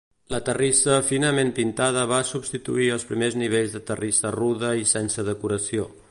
La terrissa finament pintada va substituir els primers nivells de terrissa rude i sense decoració.